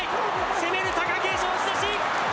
攻める貴景勝、押し出し。